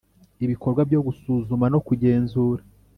Ibikorwa byo gusuzuma no kugenzura